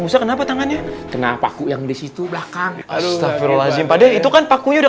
musa kenapa tangannya kenapa aku yang disitu belakang itu kan pakunya udah